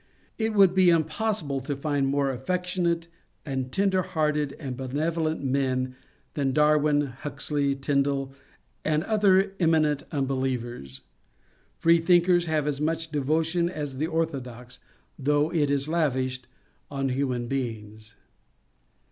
It would be impossible to find more affectionate and tender hearted and benevolent men than Darwin, Huxley, Tyndall, and other eminent unbelievers. Freethinkers have as much devotion as the orthodox, though it is lavished on human beings.